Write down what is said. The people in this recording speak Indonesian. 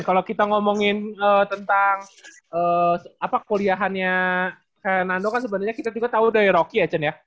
kalo kita ngomongin tentang kuliahannya fernando kan sebenernya kita juga tau dari rocky ya chan ya